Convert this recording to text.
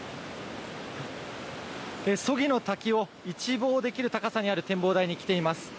曽木の滝を一望できる高さにある展望台に来ています。